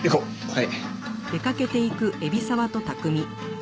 はい。